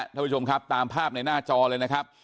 ท่านผู้ชมครับตามภาพในหน้าจอเลยนะครับ